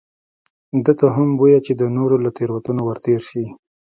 ده ته هم بویه چې د نورو له تېروتنو ورتېر شي.